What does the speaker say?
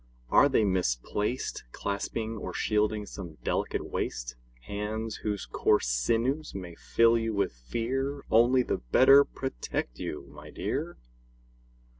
Are they misplaced Clasping or shielding some delicate waist? Hands whose coarse sinews may fill you with fear Only the better protect you, my dear!